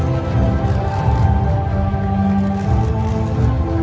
สโลแมคริปราบาล